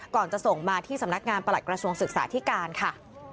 ก่อนจะส่งมาที่สำนักงานประหลัดกระทรวงศึกษาธิการค่ะ